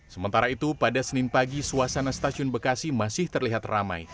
sementara itu pada senin pagi suasana stasiun bekasi masih terlihat ramai